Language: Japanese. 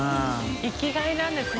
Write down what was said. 生きがいなんですね